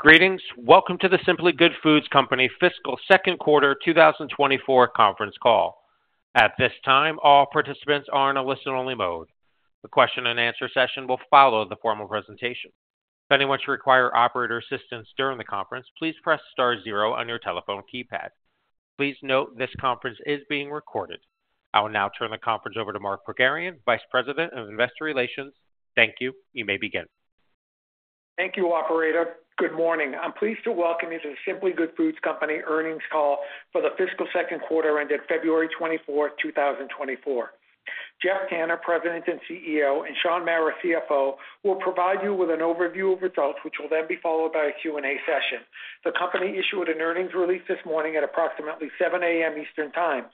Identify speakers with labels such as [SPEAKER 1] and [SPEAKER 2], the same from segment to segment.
[SPEAKER 1] Greetings. Welcome to the Simply Good Foods Company Fiscal Second Quarter 2024 Conference Call. At this time, all participants are in a listen-only mode. The question-and-answer session will follow the formal presentation. If anyone should require operator assistance during the conference, please press star zero on your telephone keypad. Please note this conference is being recorded. I will now turn the conference over to Mark Pogharian, Vice President of Investor Relations. Thank you. You may begin.
[SPEAKER 2] Thank you, Operator. Good morning. I'm pleased to welcome you to the Simply Good Foods Company earnings call for the fiscal second quarter ended February 24, 2024. Geoff Tanner, President and CEO, and Shaun Mara, CFO, will provide you with an overview of results, which will then be followed by a Q&A session. The company issued an earnings release this morning at approximately 7:00 A.M. Eastern Time.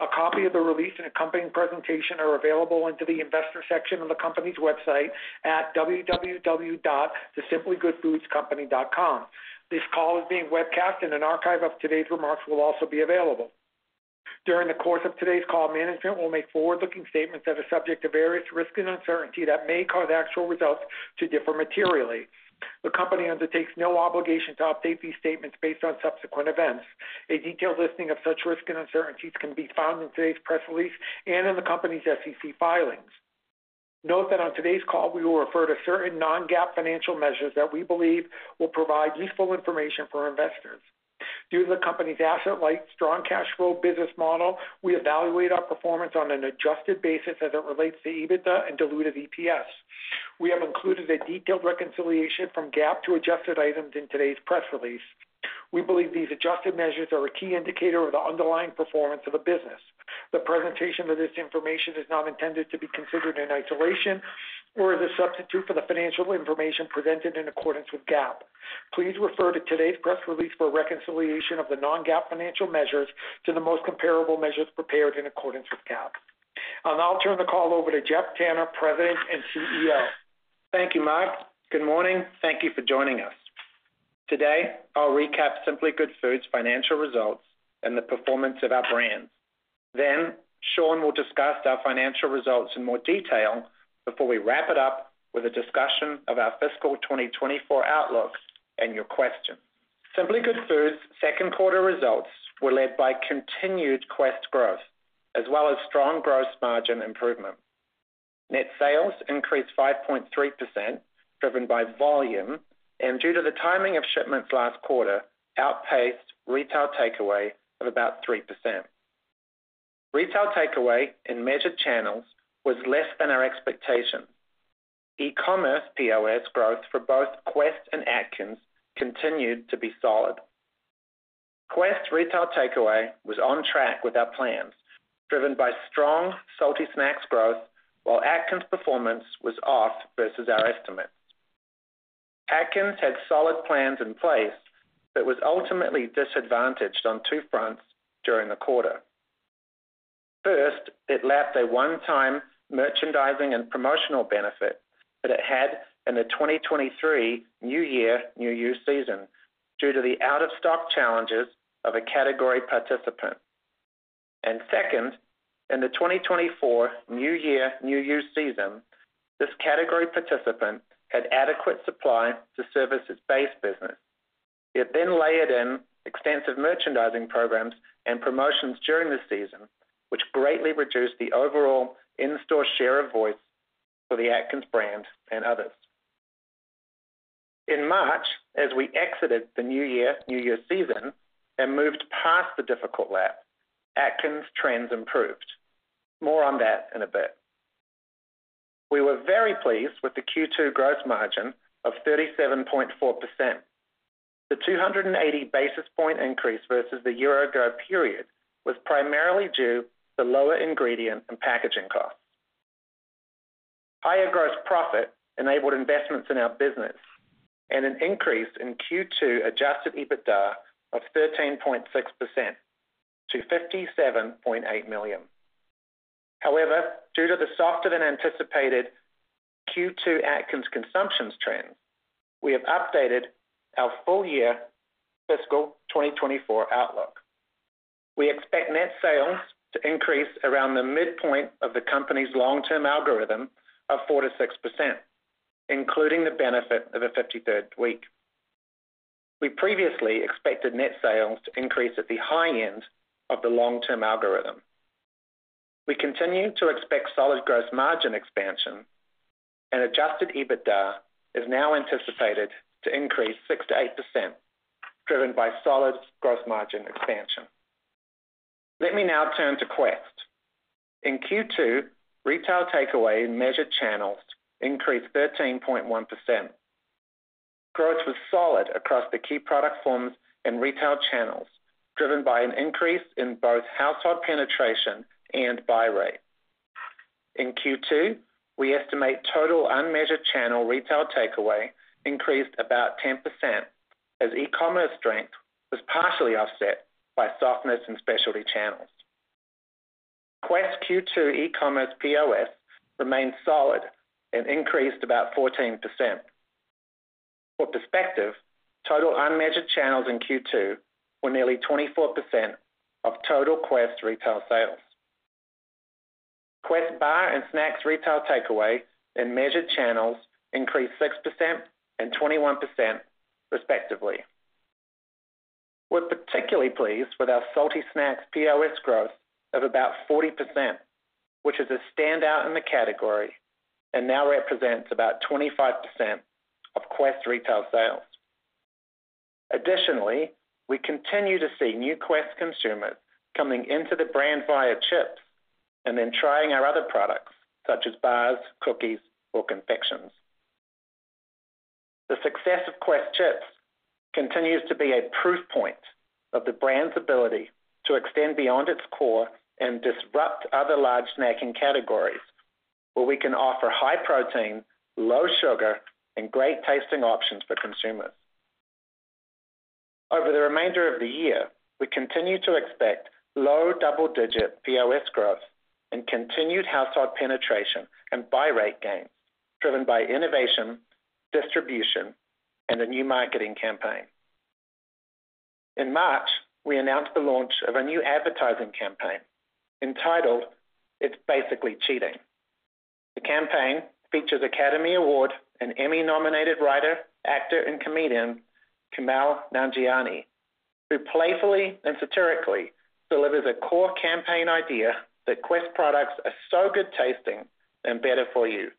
[SPEAKER 2] A copy of the release and accompanying presentation are available in the Investor section of the Company's website at www.thesimplygoodfoodscompany.com. This call is being webcast, and an archive of today's remarks will also be available. During the course of today's call, management will make forward-looking statements that are subject to various risk and uncertainty that may cause actual results to differ materially. The company undertakes no obligation to update these statements based on subsequent events. A detailed listing of such risk and uncertainties can be found in today's press release and in the company's SEC filings. Note that on today's call, we will refer to certain non-GAAP financial measures that we believe will provide useful information for investors. Due to the company's asset-light, strong cash flow business model, we evaluate our performance on an adjusted basis as it relates to EBITDA and diluted EPS. We have included a detailed reconciliation from GAAP to adjusted items in today's press release. We believe these adjusted measures are a key indicator of the underlying performance of the business. The presentation of this information is not intended to be considered in isolation or as a substitute for the financial information presented in accordance with GAAP. Please refer to today's press release for reconciliation of the non-GAAP financial measures to the most comparable measures prepared in accordance with GAAP. I'll now turn the call over to Geoff Tanner, President and CEO.
[SPEAKER 3] Thank you, Mark. Good morning. Thank you for joining us. Today, I'll recap Simply Good Foods' financial results and the performance of our brands. Then, Shaun will discuss our financial results in more detail before we wrap it up with a discussion of our fiscal 2024 outlook and your questions. Simply Good Foods' second quarter results were led by continued Quest growth, as well as strong gross margin improvement. Net sales increased 5.3%, driven by volume, and due to the timing of shipments last quarter, outpaced retail takeaway of about 3%. Retail takeaway in measured channels was less than our expectations. E-commerce POS growth for both Quest and Atkins continued to be solid. Quest retail takeaway was on track with our plans, driven by strong salty snacks growth, while Atkins performance was off versus our estimates. Atkins had solid plans in place but was ultimately disadvantaged on two fronts during the quarter. First, it lacked a one-time merchandising and promotional benefit that it had in the 2023 New Year, New You season due to the out-of-stock challenges of a category participant. Second, in the 2024 New Year, New You season, this category participant had adequate supply to service its base business. It then layered in extensive merchandising programs and promotions during the season, which greatly reduced the overall in-store share of voice for the Atkins brand and others. In March, as we exited the New Year, New You, season and moved past the difficult lap, Atkins' trends improved. More on that in a bit. We were very pleased with the Q2 gross margin of 37.4%. The 280 basis point increase versus the year-ago period was primarily due to lower ingredient and packaging costs. Higher gross profit enabled investments in our business and an increase in Q2 adjusted EBITDA of 13.6% to $57.8 million. However, due to the softer-than-anticipated Q2 Atkins consumption trends, we have updated our full-year fiscal 2024 outlook. We expect net sales to increase around the midpoint of the company's long-term algorithm of 4%-6%, including the benefit of a 53rd week. We previously expected net sales to increase at the high end of the long-term algorithm. We continue to expect solid gross margin expansion, and adjusted EBITDA is now anticipated to increase 6%-8%, driven by solid gross margin expansion. Let me now turn to Quest. In Q2, retail takeaway in measured channels increased 13.1%. Growth was solid across the key product forms and retail channels, driven by an increase in both household penetration and buy rate. In Q2, we estimate total unmeasured channel retail takeaway increased about 10%, as e-commerce strength was partially offset by softness in specialty channels. Quest Q2 e-commerce POS remained solid and increased about 14%. For perspective, total unmeasured channels in Q2 were nearly 24% of total Quest retail sales. Quest bar and snacks retail takeaway in measured channels increased 6% and 21%, respectively. We're particularly pleased with our salty snacks POS growth of about 40%, which is a standout in the category and now represents about 25% of Quest retail sales. Additionally, we continue to see new Quest consumers coming into the brand via chips and then trying our other products such as bars, cookies, or confections. The success of Quest chips continues to be a proof point of the brand's ability to extend beyond its core and disrupt other large snacking categories, where we can offer high protein, low sugar, and great tasting options for consumers. Over the remainder of the year, we continue to expect low double-digit POS growth and continued household penetration and buy rate gains, driven by innovation, distribution, and a new marketing campaign. In March, we announced the launch of a new advertising campaign entitled "It's Basically Cheating." The campaign features Academy Award and Emmy-nominated writer, actor, and comedian Kumail Nanjiani, who playfully and satirically delivers a core campaign idea that Quest products are so good tasting and better for you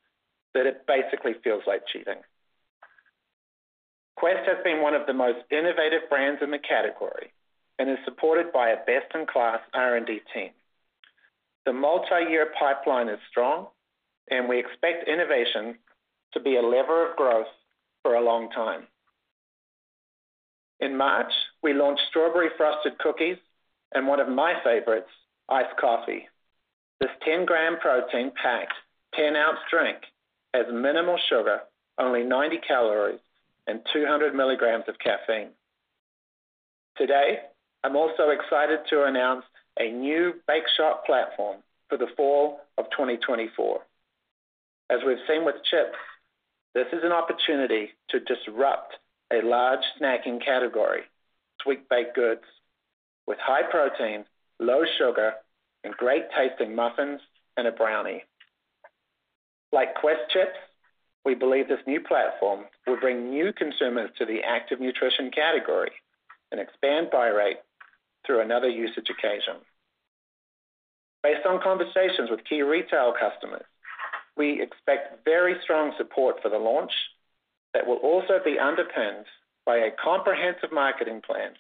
[SPEAKER 3] that it basically feels like cheating. Quest has been one of the most innovative brands in the category and is supported by a best-in-class R&D team. The multi-year pipeline is strong, and we expect innovation to be a lever of growth for a long time. In March, we launched strawberry frosted cookies and one of my favorites, iced coffee. This 10-g protein-packed 10-oz drink has minimal sugar, only 90 calories, and 200 mg of caffeine. Today, I'm also excited to announce a new bakeshop platform for the fall of 2024. As we've seen with chips, this is an opportunity to disrupt a large snacking category: sweet baked goods with high protein, low sugar, and great tasting muffins and a brownie. Like Quest chips, we believe this new platform will bring new consumers to the active nutrition category and expand buy rate through another usage occasion. Based on conversations with key retail customers, we expect very strong support for the launch that will also be underpinned by a comprehensive marketing plan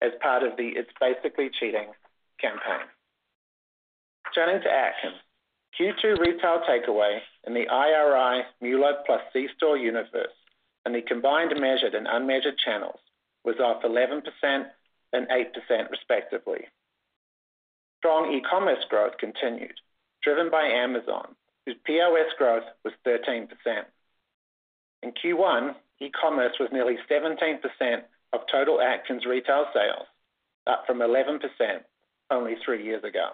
[SPEAKER 3] as part of the "It's Basically Cheating" campaign. Turning to Atkins, Q2 retail takeaway in the IRI MULO + C-store universe and the combined measured and unmeasured channels was off 11% and 8%, respectively. Strong e-commerce growth continued, driven by Amazon, whose POS growth was 13%. In Q1, e-commerce was nearly 17% of total Atkins retail sales, up from 11% only three years ago.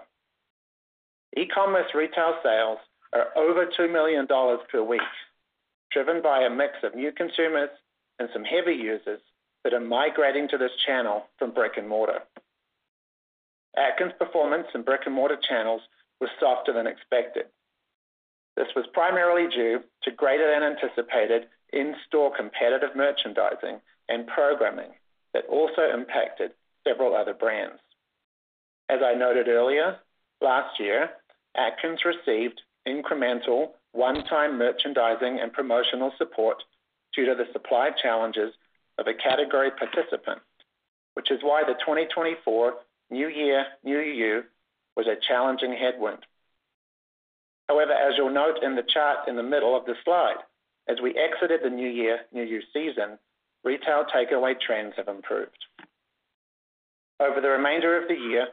[SPEAKER 3] E-commerce retail sales are over $2 million per week, driven by a mix of new consumers and some heavy users that are migrating to this channel from brick and mortar. Atkins performance in brick and mortar channels was softer than expected. This was primarily due to greater-than-anticipated in-store competitive merchandising and programming that also impacted several other brands. As I noted earlier, last year, Atkins received incremental one-time merchandising and promotional support due to the supply challenges of a category participant, which is why the 2024 New Year, New You was a challenging headwind. However, as you'll note in the chart in the middle of the slide, as we exited the New Year, New You season, retail takeaway trends have improved. Over the remainder of the year,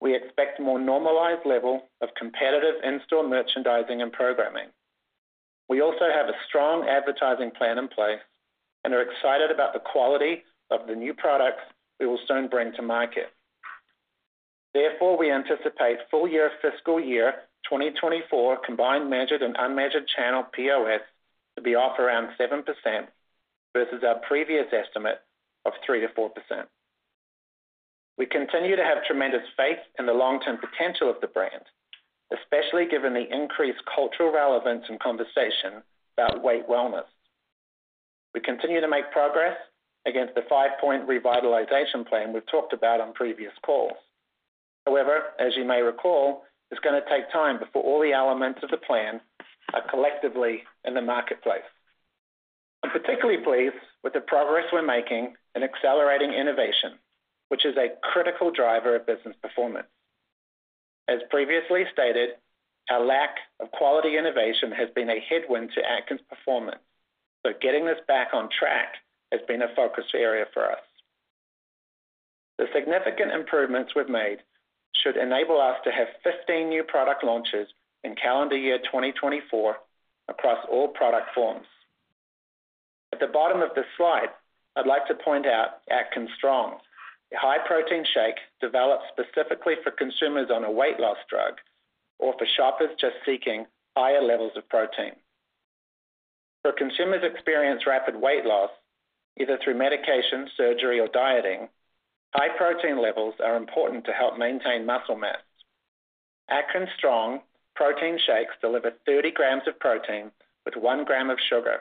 [SPEAKER 3] we expect a more normalized level of competitive in-store merchandising and programming. We also have a strong advertising plan in place and are excited about the quality of the new products we will soon bring to market. Therefore, we anticipate full-year fiscal year 2024 combined measured and unmeasured channel POS to be off around 7% versus our previous estimate of 3%-4%. We continue to have tremendous faith in the long-term potential of the brand, especially given the increased cultural relevance and conversation about weight wellness. We continue to make progress against the five-point revitalization plan we've talked about on previous calls. However, as you may recall, it's going to take time before all the elements of the plan are collectively in the marketplace. I'm particularly pleased with the progress we're making in accelerating innovation, which is a critical driver of business performance. As previously stated, our lack of quality innovation has been a headwind to Atkins performance, so getting this back on track has been a focus area for us. The significant improvements we've made should enable us to have 15 new product launches in calendar year 2024 across all product forms. At the bottom of this slide, I'd like to point out Atkins Strong, a high-protein shake developed specifically for consumers on a weight loss drug or for shoppers just seeking higher levels of protein. For consumers experiencing rapid weight loss, either through medication, surgery, or dieting, high protein levels are important to help maintain muscle mass. Atkins Strong protein shakes deliver 30 g of protein with 1 g of sugar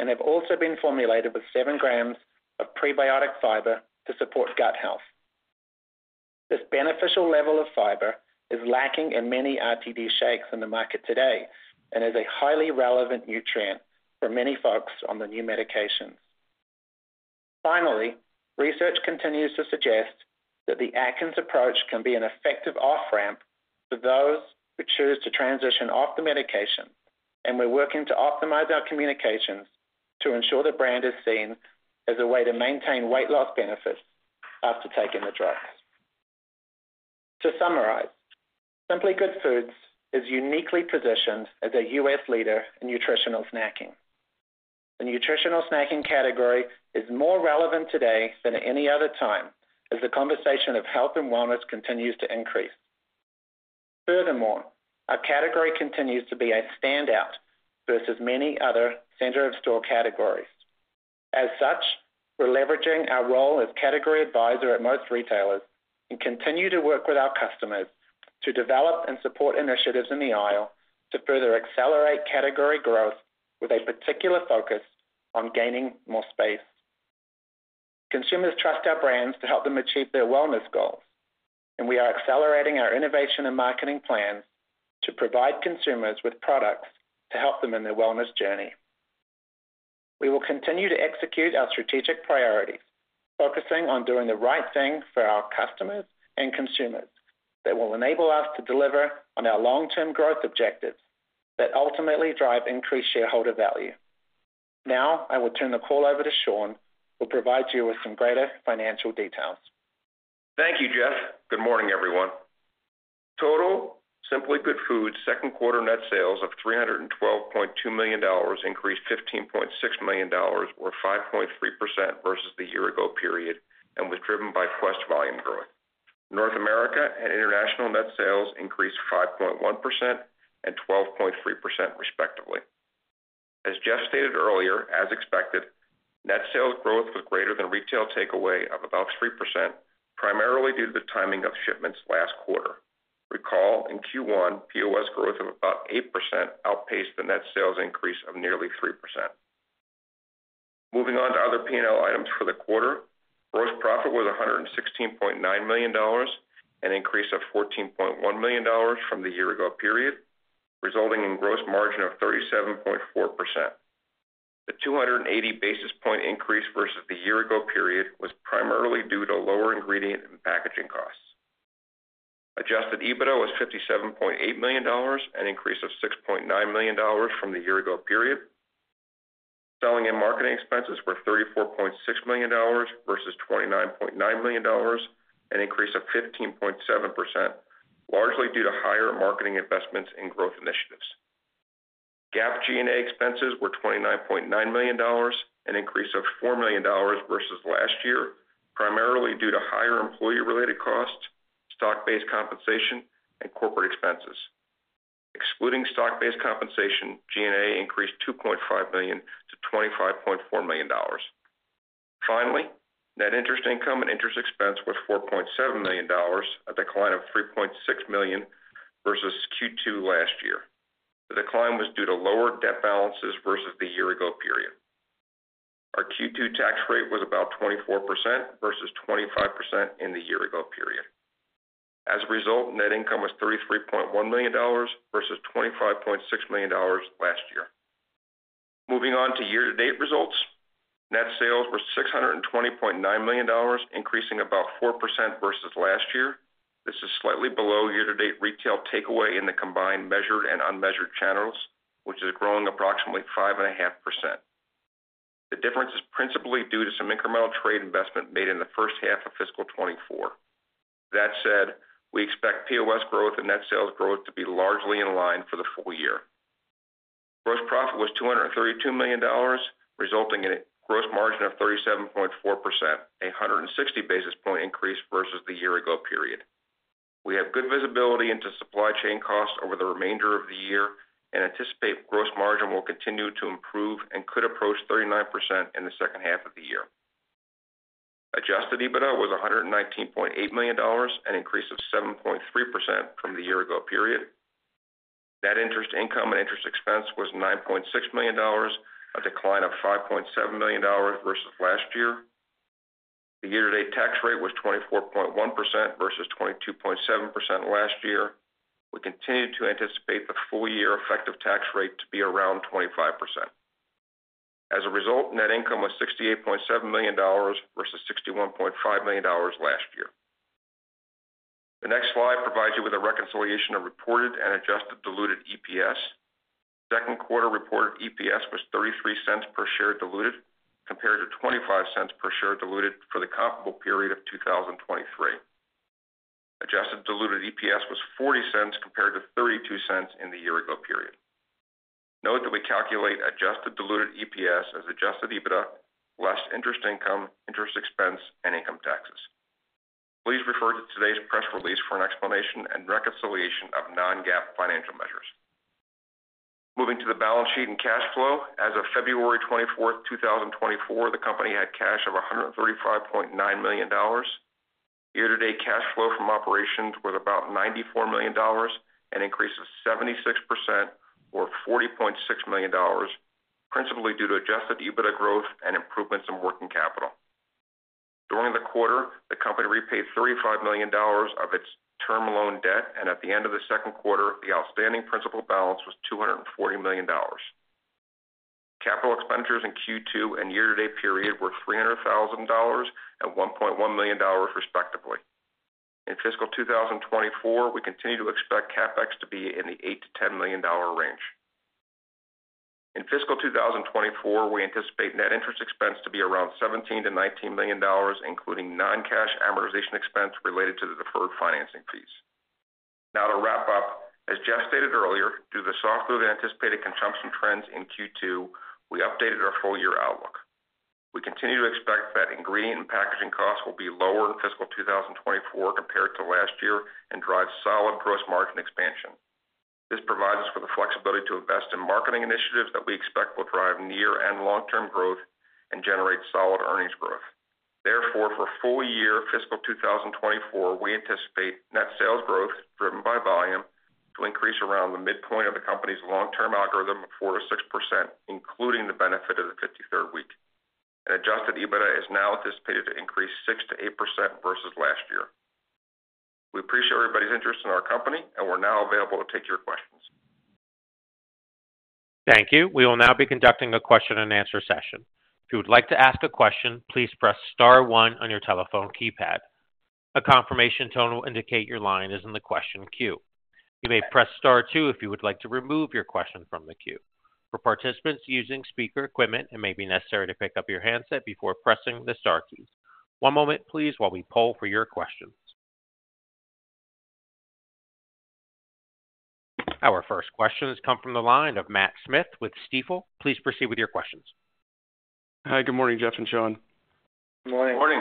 [SPEAKER 3] and have also been formulated with 7 g of prebiotic fiber to support gut health. This beneficial level of fiber is lacking in many RTD shakes in the market today and is a highly relevant nutrient for many folks on the new medications. Finally, research continues to suggest that the Atkins approach can be an effective off-ramp for those who choose to transition off the medication, and we're working to optimize our communications to ensure the brand is seen as a way to maintain weight loss benefits after taking the drugs. To summarize, Simply Good Foods is uniquely positioned as a U.S. leader in nutritional snacking. The nutritional snacking category is more relevant today than at any other time as the conversation of health and wellness continues to increase. Furthermore, our category continues to be a standout versus many other center-of-store categories. As such, we're leveraging our role as category advisor at most retailers and continue to work with our customers to develop and support initiatives in the aisle to further accelerate category growth with a particular focus on gaining more space. Consumers trust our brands to help them achieve their wellness goals, and we are accelerating our innovation and marketing plans to provide consumers with products to help them in their wellness journey. We will continue to execute our strategic priorities, focusing on doing the right thing for our customers and consumers that will enable us to deliver on our long-term growth objectives that ultimately drive increased shareholder value. Now, I will turn the call over to Shaun, who will provide you with some greater financial details.
[SPEAKER 4] Thank you, Geoff. Good morning, everyone. Total Simply Good Foods second quarter net sales of $312.2 million increased $15.6 million, or 5.3% versus the year-ago period, and was driven by Quest volume growth. North America and international net sales increased 5.1% and 12.3%, respectively. As Geoff stated earlier, as expected, net sales growth was greater than retail takeaway of about 3%, primarily due to the timing of shipments last quarter. Recall, in Q1, POS growth of about 8% outpaced the net sales increase of nearly 3%. Moving on to other P&L items for the quarter, gross profit was $116.9 million, an increase of $14.1 million from the year-ago period, resulting in gross margin of 37.4%. The 280 basis point increase versus the year-ago period was primarily due to lower ingredient and packaging costs. Adjusted EBITDA was $57.8 million, an increase of $6.9 million from the year-ago period. Selling and marketing expenses were $34.6 million versus $29.9 million, an increase of 15.7%, largely due to higher marketing investments and growth initiatives. GAAP G&A expenses were $29.9 million, an increase of $4 million versus last year, primarily due to higher employee-related costs, stock-based compensation, and corporate expenses. Excluding stock-based compensation, G&A increased $2.5 million to $25.4 million. Finally, net interest income and interest expense were $4.7 million at a decline of $3.6 million versus Q2 last year. The decline was due to lower debt balances versus the year-ago period. Our Q2 tax rate was about 24% versus 25% in the year-ago period. As a result, net income was $33.1 million versus $25.6 million last year. Moving on to year-to-date results, net sales were $620.9 million, increasing about 4% versus last year. This is slightly below year-to-date retail takeaway in the combined measured and unmeasured channels, which is growing approximately 5.5%. The difference is principally due to some incremental trade investment made in the first half of fiscal 2024. That said, we expect POS growth and net sales growth to be largely in line for the full year. Gross profit was $232 million, resulting in a gross margin of 37.4%, a 160 basis point increase versus the year-ago period. We have good visibility into supply chain costs over the remainder of the year and anticipate gross margin will continue to improve and could approach 39% in the second half of the year. Adjusted EBITDA was $119.8 million, an increase of 7.3% from the year-ago period. Net interest income and interest expense was $9.6 million, a decline of $5.7 million versus last year. The year-to-date tax rate was 24.1% versus 22.7% last year. We continue to anticipate the full-year effective tax rate to be around 25%. As a result, net income was $68.7 million versus $61.5 million last year. The next slide provides you with a reconciliation of reported and adjusted diluted EPS. Second quarter reported EPS was $0.33 per share diluted compared to $0.25 per share diluted for the comparable period of 2023. Adjusted diluted EPS was $0.40 compared to $0.32 in the year-ago period. Note that we calculate adjusted diluted EPS as adjusted EBITDA, less interest income, interest expense, and income taxes. Please refer to today's press release for an explanation and reconciliation of non-GAAP financial measures. Moving to the balance sheet and cash flow, as of February 24th, 2024, the company had cash of $135.9 million. Year-to-date cash flow from operations was about $94 million, an increase of 76%, or $40.6 million, principally due to adjusted EBITDA growth and improvements in working capital. During the quarter, the company repaid $35 million of its term loan debt, and at the end of the second quarter, the outstanding principal balance was $240 million. Capital expenditures in Q2 and year-to-date period were $300,000 and $1.1 million, respectively. In fiscal 2024, we continue to expect CapEx to be in the $8 million-$10 million range. In fiscal 2024, we anticipate net interest expense to be around $17 million-$19 million, including non-cash amortization expense related to the deferred financing fees. Now, to wrap up, as Geoff stated earlier, due to the softher-than and anticipated consumption trends in Q2, we updated our full-year outlook. We continue to expect that ingredient and packaging costs will be lower in fiscal 2024 compared to last year and drive solid gross margin expansion. This provides us with the flexibility to invest in marketing initiatives that we expect will drive near and long-term growth and generate solid earnings growth. Therefore, for full-year fiscal 2024, we anticipate net sales growth driven by volume to increase around the midpoint of the company's long-term algorithm of 4%-6%, including the benefit of the 53rd week. Adjusted EBITDA is now anticipated to increase 6%-8% versus last year. We appreciate everybody's interest in our company, and we're now available to take your questions.
[SPEAKER 1] Thank you. We will now be conducting a question-and-answer session. If you would like to ask a question, please press star one on your telephone keypad. A confirmation tone will indicate your line is in the question queue. You may press star two if you would like to remove your question from the queue. For participants using speaker equipment, it may be necessary to pick up your handset before pressing the star key. One moment, please, while we poll for your questions. Our first question has come from the line of Matt Smith with Stifel. Please proceed with your questions.
[SPEAKER 5] Hi. Good morning, Geoff and Shaun.
[SPEAKER 3] Good morning.
[SPEAKER 4] Good morning.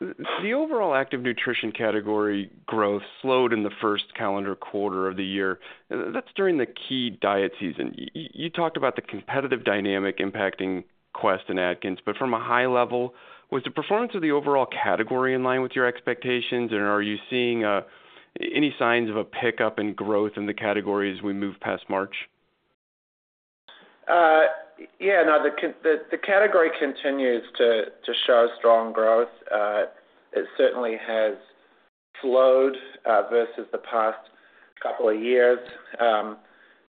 [SPEAKER 5] The overall active nutrition category growth slowed in the first calendar quarter of the year. That's during the key diet season. You talked about the competitive dynamic impacting Quest and Atkins, but from a high level, was the performance of the overall category in line with your expectations, and are you seeing any signs of a pickup in growth in the category as we move past March?
[SPEAKER 3] Yeah. Now, the category continues to show strong growth. It certainly has slowed versus the past couple of years.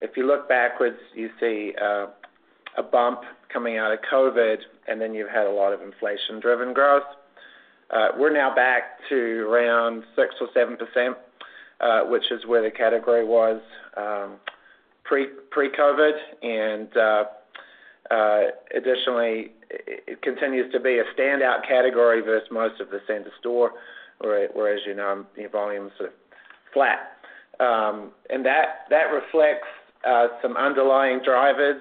[SPEAKER 3] If you look backwards, you see a bump coming out of COVID, and then you've had a lot of inflation-driven growth. We're now back to around 6% or 7%, which is where the category was pre-COVID. And additionally, it continues to be a standout category versus most of the center store, where, as you know, volume's sort of flat. And that reflects some underlying drivers: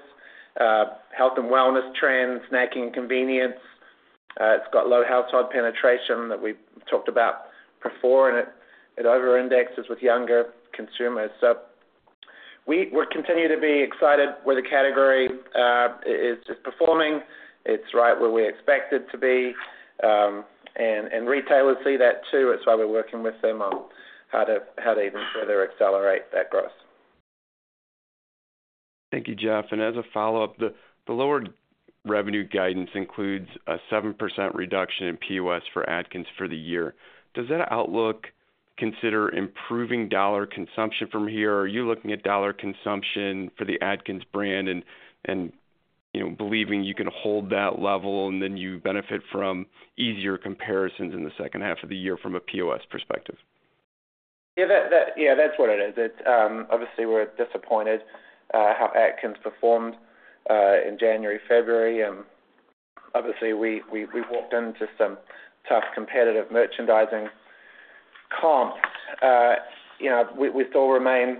[SPEAKER 3] health and wellness trends, snacking and convenience. It's got low household penetration that we talked about before, and it over-indexes with younger consumers. So we continue to be excited where the category is performing. It's right where we expect it to be. And retailers see that too. That's why we're working with them on how to even further accelerate that growth.
[SPEAKER 5] Thank you, Geoff. And as a follow-up, the lower revenue guidance includes a 7% reduction in POS for Atkins for the year. Does that outlook consider improving dollar consumption from here? Are you looking at dollar consumption for the Atkins brand and believing you can hold that level, and then you benefit from easier comparisons in the second half of the year from a POS perspective?
[SPEAKER 3] Yeah. That's what it is. Obviously, we're disappointed how Atkins performed in January, February. Obviously, we walked into some tough competitive merchandising comps. We still remain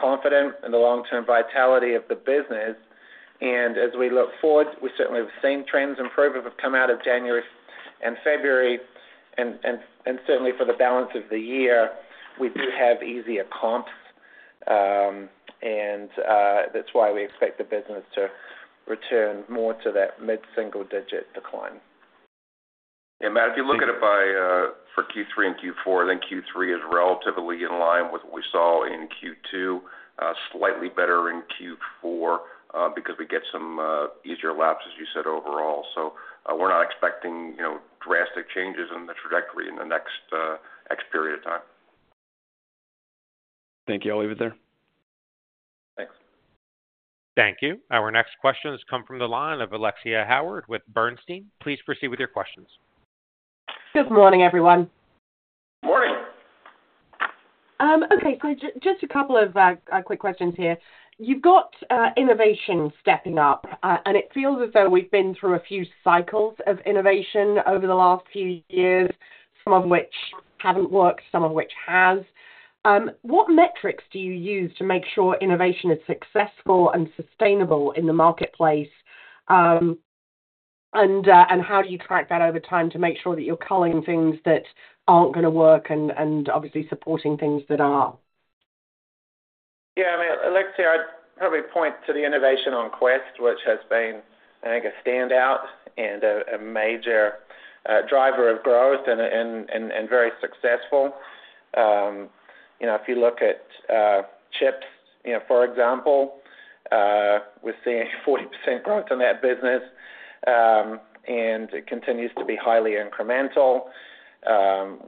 [SPEAKER 3] confident in the long-term vitality of the business. As we look forward, we certainly have seen trends improve as we've come out of January and February. Certainly, for the balance of the year, we do have easier comps. That's why we expect the business to return more to that mid-single-digit decline.
[SPEAKER 4] Yeah. Matt, if you look at it for Q3 and Q4, then Q3 is relatively in line with what we saw in Q2, slightly better in Q4 because we get some easier laps, as you said, overall. So we're not expecting drastic changes in the trajectory in the next X period of time.
[SPEAKER 5] Thank you. I'll leave it there.
[SPEAKER 4] Thanks.
[SPEAKER 1] Thank you. Our next question has come from the line of Alexia Howard with Bernstein. Please proceed with your questions.
[SPEAKER 6] Good morning, everyone.
[SPEAKER 3] Morning.
[SPEAKER 6] Okay. So just a couple of quick questions here. You've got innovation stepping up, and it feels as though we've been through a few cycles of innovation over the last few years, some of which haven't worked, some of which has. What metrics do you use to make sure innovation is successful and sustainable in the marketplace, and how do you track that over time to make sure that you're culling things that aren't going to work and obviously supporting things that are?
[SPEAKER 3] Yeah. I mean, let's say I'd probably point to the innovation on Quest, which has been, I think, a standout and a major driver of growth and very successful. If you look at chips, for example, we're seeing 40% growth in that business, and it continues to be highly incremental.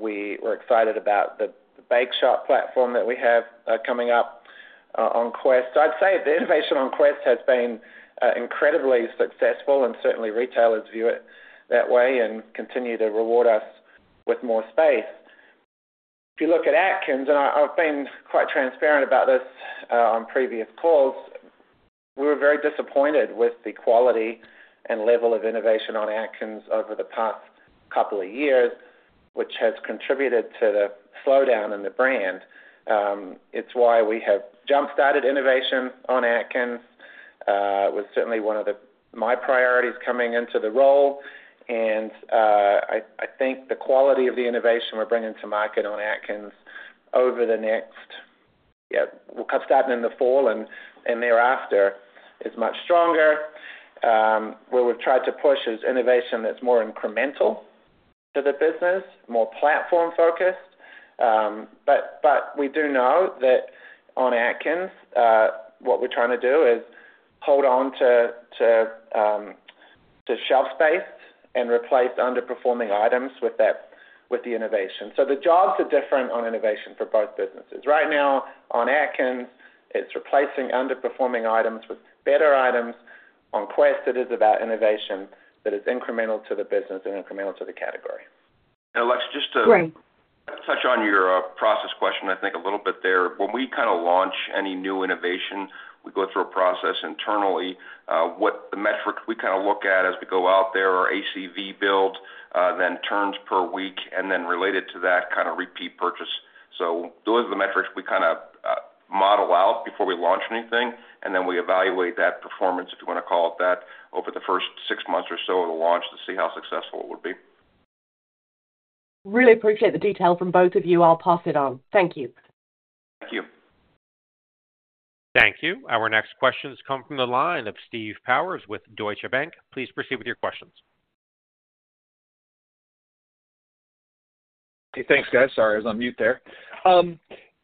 [SPEAKER 3] We're excited about the bake shop platform that we have coming up on Quest. I'd say the innovation on Quest has been incredibly successful, and certainly, retailers view it that way and continue to reward us with more space. If you look at Atkins, and I've been quite transparent about this on previous calls, we were very disappointed with the quality and level of innovation on Atkins over the past couple of years, which has contributed to the slowdown in the brand. It's why we have jump-started innovation on Atkins. It was certainly one of my priorities coming into the role. And I think the quality of the innovation we're bringing to market on Atkins over the next yeah, we'll start in the fall and thereafter is much stronger. Where we've tried to push is innovation that's more incremental to the business, more platform-focused. But we do know that on Atkins, what we're trying to do is hold on to shelf space and replace underperforming items with the innovation. So the jobs are different on innovation for both businesses. Right now, on Atkins, it's replacing underperforming items with better items. On Quest, it is about innovation that is incremental to the business and incremental to the category.
[SPEAKER 4] Alex, just to touch on your process question, I think, a little bit there. When we kind of launch any new innovation, we go through a process internally. The metrics we kind of look at as we go out there are ACV build, then turns per week, and then related to that, kind of repeat purchase. Those are the metrics we kind of model out before we launch anything, and then we evaluate that performance, if you want to call it that, over the first six months or so of the launch to see how successful it would be.
[SPEAKER 6] Really appreciate the detail from both of you. I'll pass it on. Thank you.
[SPEAKER 4] Thank you.
[SPEAKER 1] Thank you. Our next question has come from the line of Steve Powers with Deutsche Bank. Please proceed with your questions.
[SPEAKER 7] Hey. Thanks, guys. Sorry, I was on mute there.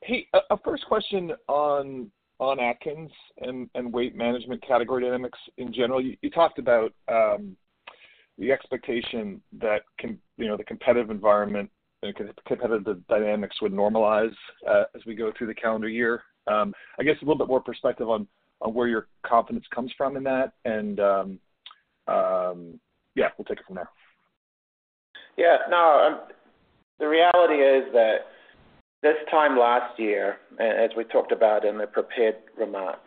[SPEAKER 7] A first question on Atkins and weight management category dynamics in general. You talked about the expectation that the competitive environment and the competitive dynamics would normalize as we go through the calendar year. I guess a little bit more perspective on where your confidence comes from in that. And yeah, we'll take it from there.
[SPEAKER 3] Yeah. No. The reality is that this time last year, as we talked about in the prepared remarks,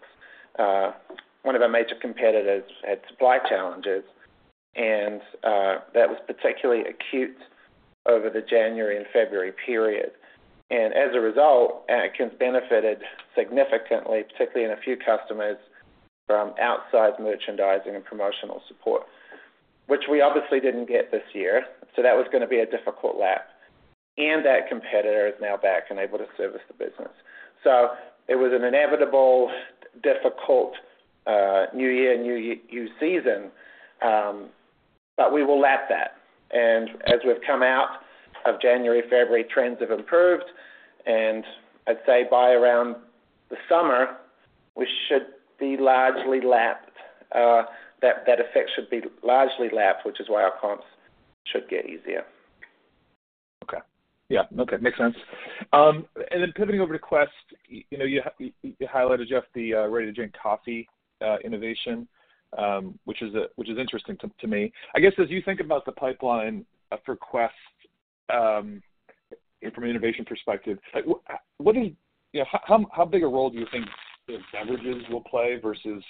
[SPEAKER 3] one of our major competitors had supply challenges, and that was particularly acute over the January and February period. And as a result, Atkins benefited significantly, particularly in a few customers, from outsized merchandising and promotional support, which we obviously didn't get this year. So that was going to be a difficult lap. And that competitor is now back and able to service the business. So it was an inevitable difficult New Year, New You season, but we will lap that. And as we've come out of January, February, trends have improved. And I'd say by around the summer, we should be largely lapped. That effect should be largely lapped, which is why our comps should get easier.
[SPEAKER 7] Okay. Yeah. Okay. Makes sense. And then pivoting over to Quest, you highlighted, Geoff, the ready-to-drink coffee innovation, which is interesting to me. I guess as you think about the pipeline for Quest from an innovation perspective, how big a role do you think beverages will play versus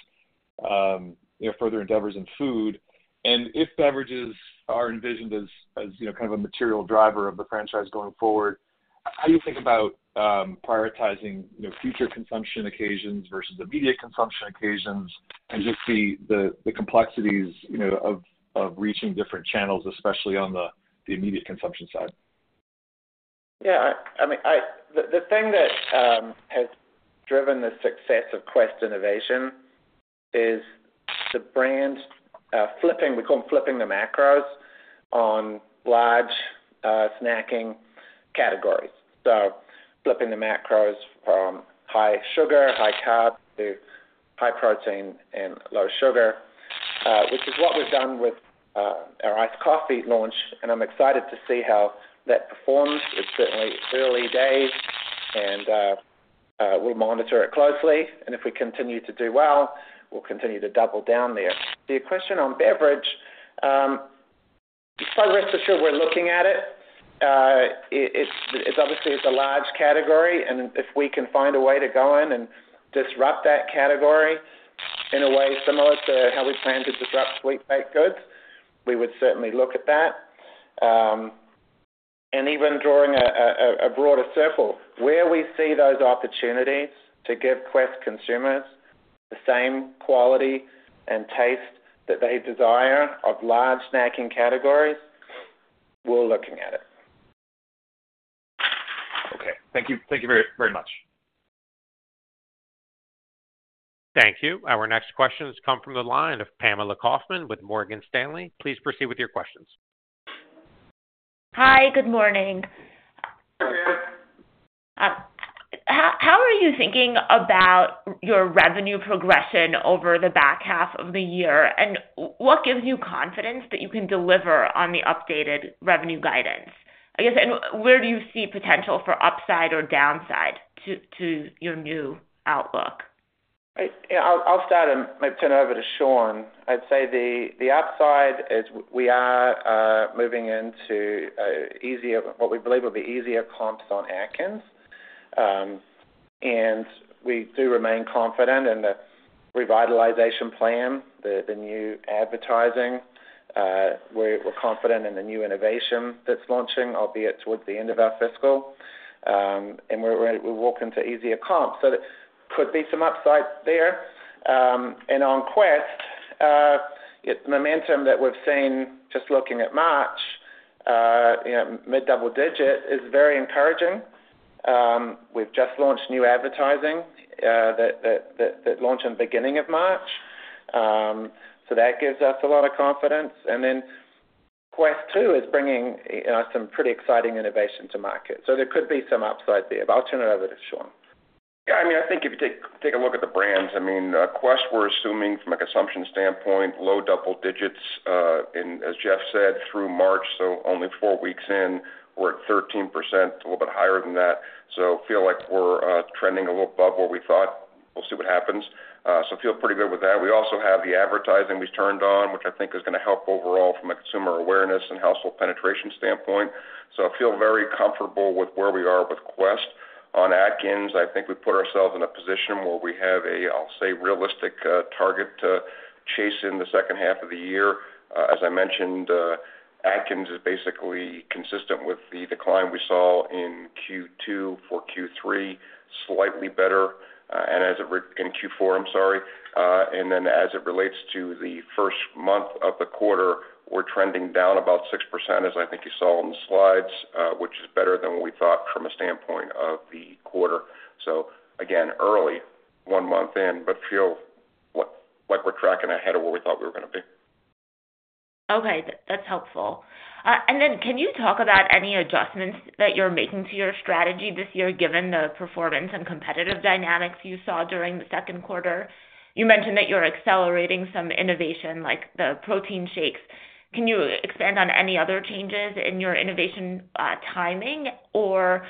[SPEAKER 7] further endeavors in food? And if beverages are envisioned as kind of a material driver of the franchise going forward, how do you think about prioritizing future consumption occasions versus immediate consumption occasions and just the complexities of reaching different channels, especially on the immediate consumption side?
[SPEAKER 3] Yeah. I mean, the thing that has driven the success of Quest innovation is the brand flipping we call them flipping the macros on large snacking categories. So flipping the macros from high sugar, high carb to high protein and low sugar, which is what we've done with our iced coffee launch. And I'm excited to see how that performs. It's certainly early days, and we'll monitor it closely. And if we continue to do well, we'll continue to double down there. The question on beverage, quite rest assured, we're looking at it. Obviously, it's a large category. And if we can find a way to go in and disrupt that category in a way similar to how we plan to disrupt sweet baked goods, we would certainly look at that. Even drawing a broader circle, where we see those opportunities to give Quest consumers the same quality and taste that they desire of large snacking categories, we're looking at it.
[SPEAKER 7] Okay. Thank you very much.
[SPEAKER 1] Thank you. Our next question has come from the line of Pamela Kaufman with Morgan Stanley. Please proceed with your questions.
[SPEAKER 8] Hi. Good morning.
[SPEAKER 3] Good morning, Pamela.
[SPEAKER 8] How are you thinking about your revenue progression over the back half of the year, and what gives you confidence that you can deliver on the updated revenue guidance? I guess, and where do you see potential for upside or downside to your new outlook?
[SPEAKER 3] Yeah. I'll start and maybe turn it over to Shaun. I'd say the upside is we are moving into what we believe will be easier comps on Atkins. And we do remain confident in the revitalization plan, the new advertising. We're confident in the new innovation that's launching, albeit towards the end of our fiscal. And we've walked into easier comps. So there could be some upside there. And on Quest, the momentum that we've seen just looking at March, mid-double digit, is very encouraging. We've just launched new advertising that launched in the beginning of March. So that gives us a lot of confidence. And then Quest 2 is bringing some pretty exciting innovation to market. So there could be some upside there. But I'll turn it over to Shaun.
[SPEAKER 4] Yeah. I mean, I think if you take a look at the brands, I mean, Quest, we're assuming from a consumption standpoint, low double digits. And as Geoff said, through March, so only four weeks in, we're at 13%, a little bit higher than that. So feel like we're trending a little above what we thought. We'll see what happens. So feel pretty good with that. We also have the advertising we've turned on, which I think is going to help overall from a consumer awareness and household penetration standpoint. So feel very comfortable with where we are with Quest. On Atkins, I think we put ourselves in a position where we have a, I'll say, realistic target to chase in the second half of the year. As I mentioned, Atkins is basically consistent with the decline we saw in Q2 for Q3, slightly better in Q4, I'm sorry. And then as it relates to the first month of the quarter, we're trending down about 6%, as I think you saw on the slides, which is better than what we thought from a standpoint of the quarter. So again, early, one month in, but feel like we're tracking ahead of where we thought we were going to be.
[SPEAKER 8] Okay. That's helpful. And then can you talk about any adjustments that you're making to your strategy this year given the performance and competitive dynamics you saw during the second quarter? You mentioned that you're accelerating some innovation, like the protein shakes. Can you expand on any other changes in your innovation timing or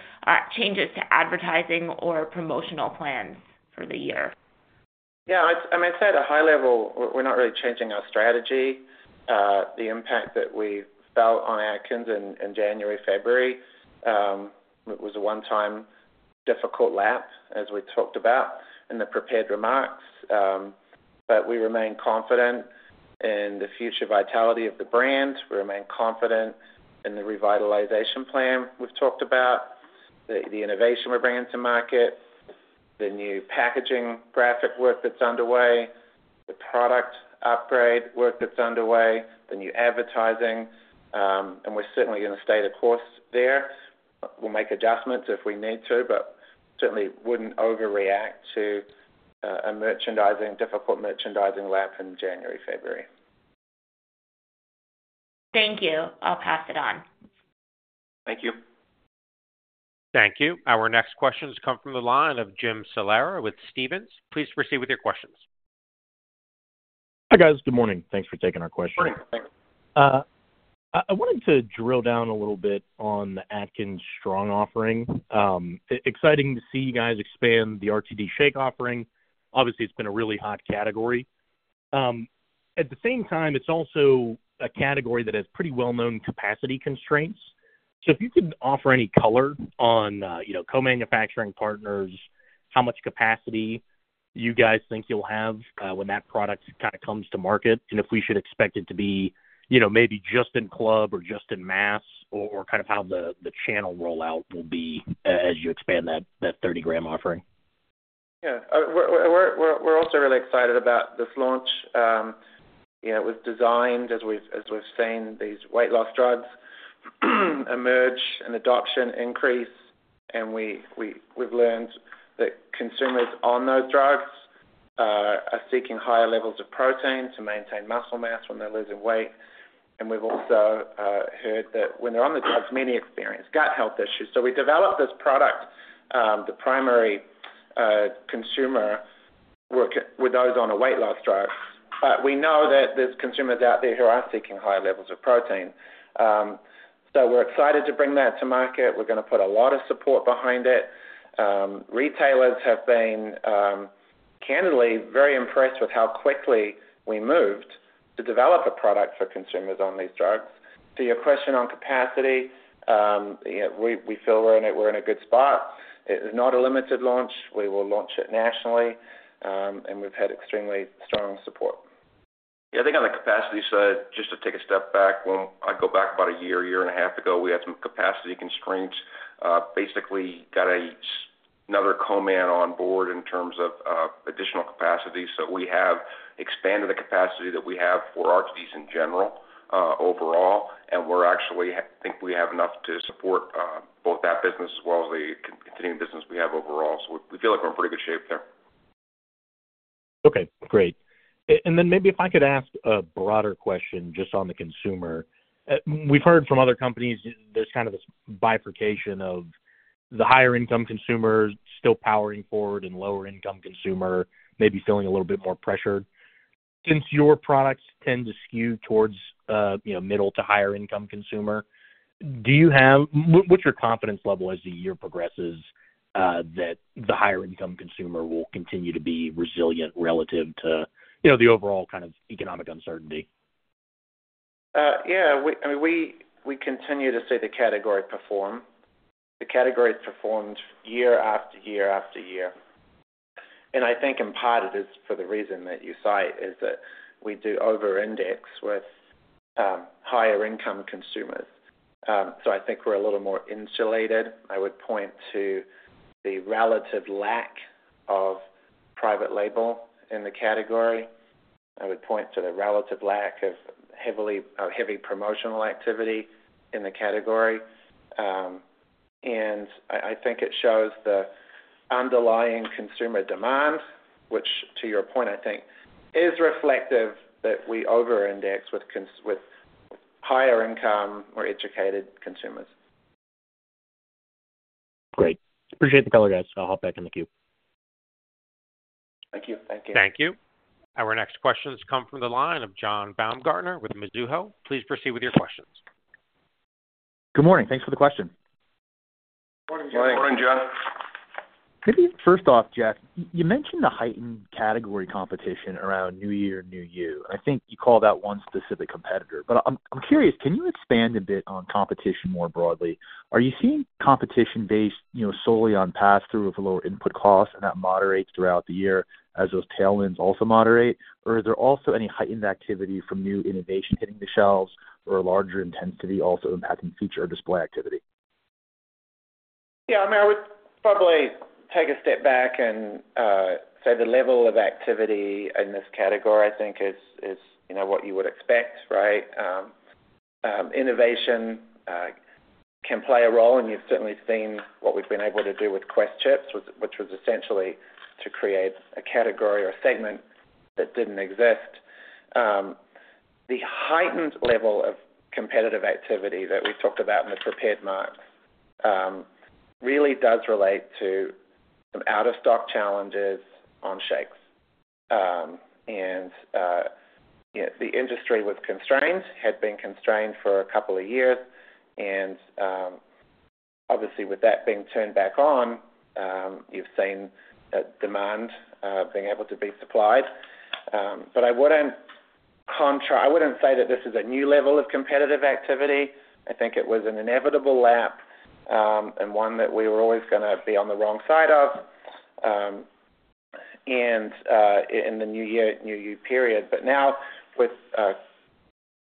[SPEAKER 8] changes to advertising or promotional plans for the year?
[SPEAKER 3] Yeah. I mean, I'd say at a high level, we're not really changing our strategy. The impact that we felt on Atkins in January, February, it was a one-time, difficult lap, as we talked about in the prepared remarks. But we remain confident in the future vitality of the brand. We remain confident in the revitalization plan we've talked about, the innovation we're bringing to market, the new packaging graphic work that's underway, the product upgrade work that's underway, the new advertising. And we're certainly going to stay the course there. We'll make adjustments if we need to, but certainly wouldn't overreact to a difficult merchandising lap in January, February.
[SPEAKER 8] Thank you. I'll pass it on.
[SPEAKER 3] Thank you.
[SPEAKER 1] Thank you. Our next question has come from the line of Jim Salera with Stephens. Please proceed with your questions.
[SPEAKER 9] Hi guys. Good morning. Thanks for taking our question.
[SPEAKER 3] Good morning.
[SPEAKER 9] I wanted to drill down a little bit on the Atkins Strong offering. Exciting to see you guys expand the RTD Shake offering. Obviously, it's been a really hot category. At the same time, it's also a category that has pretty well-known capacity constraints. So if you could offer any color on co-manufacturing partners, how much capacity you guys think you'll have when that product kind of comes to market, and if we should expect it to be maybe just in club or just in mass, or kind of how the channel rollout will be as you expand that 30-g offering?
[SPEAKER 3] Yeah. We're also really excited about this launch. It was designed, as we've seen, these weight loss drugs emerge and adoption increase. And we've learned that consumers on those drugs are seeking higher levels of protein to maintain muscle mass when they're losing weight. And we've also heard that when they're on the drugs, many experience gut health issues. So we developed this product. The primary consumer were those on a weight loss drug. But we know that there's consumers out there who are seeking higher levels of protein. So we're excited to bring that to market. We're going to put a lot of support behind it. Retailers have been candidly very impressed with how quickly we moved to develop a product for consumers on these drugs. To your question on capacity, we feel we're in a good spot. It is not a limited launch. We will launch it nationally. We've had extremely strong support.
[SPEAKER 4] Yeah. I think on the capacity side, just to take a step back, when I go back about a year, year and a half ago, we had some capacity constraints. Basically, got another co-man on board in terms of additional capacity. So we have expanded the capacity that we have for RTDs in general overall. And I think we have enough to support both that business as well as the continuing business we have overall. So we feel like we're in pretty good shape there.
[SPEAKER 9] Okay. Great. And then maybe if I could ask a broader question just on the consumer. We've heard from other companies, there's kind of this bifurcation of the higher-income consumer still powering forward and lower-income consumer maybe feeling a little bit more pressured. Since your products tend to skew towards middle to higher-income consumer, what's your confidence level as the year progresses that the higher-income consumer will continue to be resilient relative to the overall kind of economic uncertainty?
[SPEAKER 3] Yeah. I mean, we continue to see the category perform. The category has performed year after year after year. I think in part it is for the reason that you cite is that we do over-index with higher-income consumers. So I think we're a little more insulated. I would point to the relative lack of private label in the category. I would point to the relative lack of heavy promotional activity in the category. And I think it shows the underlying consumer demand, which to your point, I think is reflective that we over-index with higher-income or educated consumers.
[SPEAKER 9] Great. Appreciate the call, guys. I'll hop back in the queue. Thank you.
[SPEAKER 3] Thank you.
[SPEAKER 1] Thank you. Our next question has come from the line of John Baumgartner with Mizuho. Please proceed with your questions.
[SPEAKER 10] Good morning. Thanks for the question.
[SPEAKER 3] Good morning, John.
[SPEAKER 4] Good morning, John.
[SPEAKER 10] Maybe first off, Geoff, you mentioned the heightened category competition around New Year, New You. And I think you called out one specific competitor. But I'm curious, can you expand a bit on competition more broadly? Are you seeing competition based solely on pass-through of lower input costs, and that moderates throughout the year as those tailwinds also moderate? Or is there also any heightened activity from new innovation hitting the shelves or a larger intensity also impacting feature or display activity?
[SPEAKER 3] Yeah. I mean, I would probably take a step back and say the level of activity in this category, I think, is what you would expect, right? Innovation can play a role. You've certainly seen what we've been able to do with Quest chips, which was essentially to create a category or a segment that didn't exist. The heightened level of competitive activity that we've talked about in the prepared remarks really does relate to some out-of-stock challenges on shakes. The industry was constrained, had been constrained for a couple of years. Obviously, with that being turned back on, you've seen demand being able to be supplied. But I wouldn't say that this is a new level of competitive activity. I think it was an inevitable lag and one that we were always going to be on the wrong side of in the New Year, New You period. Now with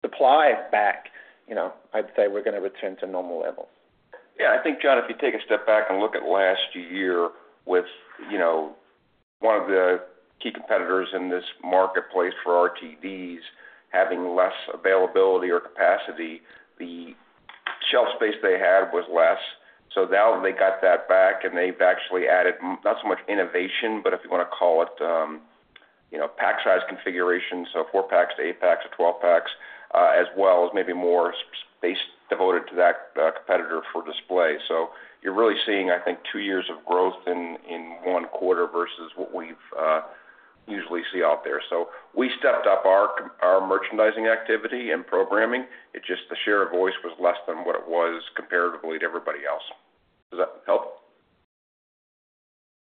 [SPEAKER 3] supply back, I'd say we're going to return to normal levels.
[SPEAKER 4] Yeah. I think, John, if you take a step back and look at last year with one of the key competitors in this marketplace for RTDs having less availability or capacity, the shelf space they had was less. So now they got that back, and they've actually added not so much innovation, but if you want to call it pack-size configuration, so four packs, eight packs, or 12 packs, as well as maybe more space devoted to that competitor for display. So you're really seeing, I think, two years of growth in one quarter versus what we usually see out there. So we stepped up our merchandising activity and programming. It's just the share of voice was less than what it was comparatively to everybody else. Does that help?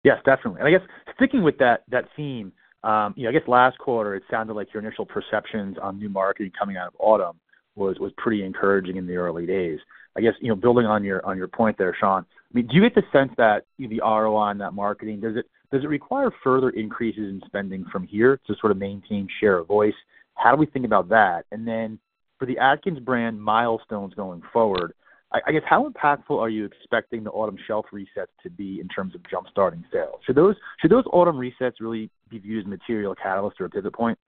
[SPEAKER 10] Yes, definitely. I guess sticking with that theme, I guess last quarter, it sounded like your initial perceptions on new marketing coming out of autumn was pretty encouraging in the early days. I guess building on your point there, Shaun, I mean, do you get the sense that the ROI on that marketing, does it require further increases in spending from here to sort of maintain share of voice? How do we think about that? And then for the Atkins brand milestones going forward, I guess how impactful are you expecting the autumn shelf resets to be in terms of jump-starting sales? Should those autumn resets really be viewed as a material catalyst or a pivot point?